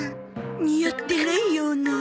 似合ってないような。